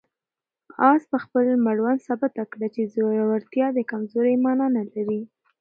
آس په خپل مړوند ثابته کړه چې زوړوالی د کمزورۍ مانا نه لري.